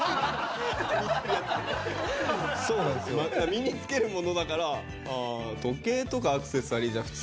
身に着けるものだから時計とかアクセサリーじゃ普通だし